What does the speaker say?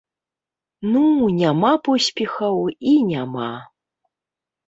Ну, няма поспехаў і няма.